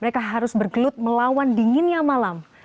mereka harus bergelut melawan dinginnya malam